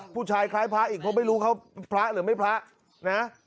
คล้ายพระอีกเพราะไม่รู้เขาพระหรือไม่พระนะ